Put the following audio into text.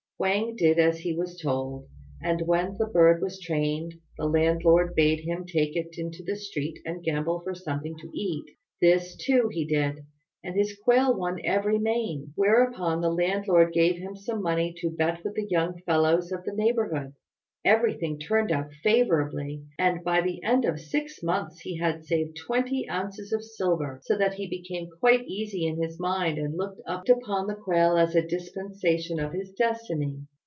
Wang did as he was told; and when the bird was trained, the landlord bade him take it into the street and gamble for something to eat. This, too, he did, and his quail won every main; whereupon the landlord gave him some money to bet with the young fellows of the neighbourhood. Everything turned out favourably, and by the end of six months he had saved twenty ounces of silver, so that he became quite easy in his mind and looked upon the quail as a dispensation of his destiny.